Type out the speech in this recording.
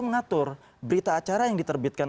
mengatur berita acara yang diterbitkan